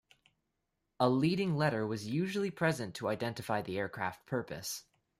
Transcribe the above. A leading letter was usually present to identify the aircraft purpose.